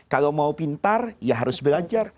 kalau mau pintar ya harus belajar